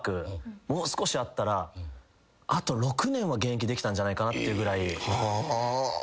もう少しあったらあと６年は現役できたんじゃないかなっていうぐらい。